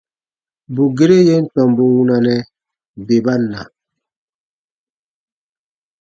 Bù gere yè n tɔmbu wunanɛ, bè ba na.